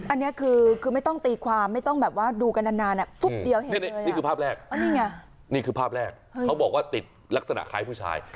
อันนี้คือไม่ต้องตีความไม่ต้องดูกันนานครับนี่คือภาพแรกคือบอกว่าเป็นลักษณะคล้ายผู้ชาย